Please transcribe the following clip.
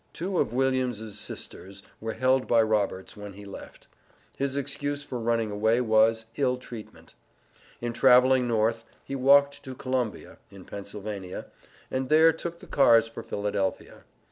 Two of William's sisters were held by Roberts, when he left. His excuse for running away was, "ill treatment." In traveling North, he walked to Columbia (in Pennsylvania), and there took the cars for Philadelphia.